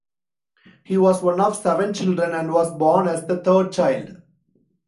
He was one of seven children and was born as the third child.